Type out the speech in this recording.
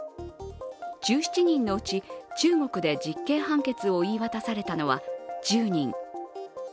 １７人のうち中国で実刑判決を言い渡されたのは１０人。